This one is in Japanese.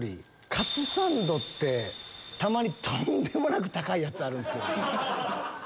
カツサンドってたまにとんでもなく高いやつあるんす。